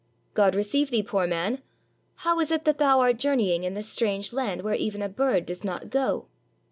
"God receive thee, poor man; how is it that thou art journeying in this strange land where even a bird does not go?"